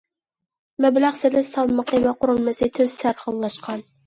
مەبلەغ سېلىش سالمىقى ۋە قۇرۇلمىسى تېز سەرخىللاشقان.